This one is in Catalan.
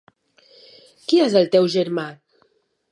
Qui és el teu germà?